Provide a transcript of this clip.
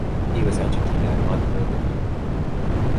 He was educated at Ludgrove and Eton.